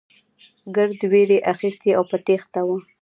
ګرد وېرې اخيستي او په تېښته وو.